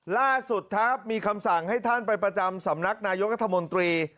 ล่าสุดครับมีคำสั่งให้ท่านไปประจำสำนักนายกรัฐมนตรี